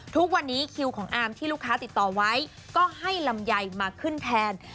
ทุกวันนี้คิวของอาร์มที่ลูกค้าติดต่อไว้ก็ให้ลำไยมาขึ้นแทน